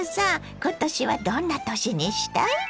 今年はどんな年にしたい？